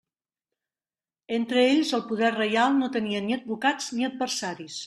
Entre ells el poder reial no tenia ni advocats ni adversaris.